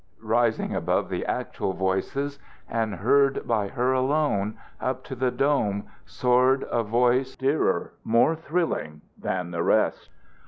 Rising above the actual voices and heard by her alone, up to the dome soared a voice dearer, more thrilling, than the rest.